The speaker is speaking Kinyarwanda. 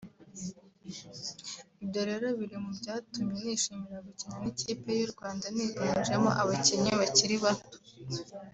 Ibyo rero biri mu byatumye nishimira gukina n’ikipe y’u Rwanda iniganjemo abakinnyi bakiri bato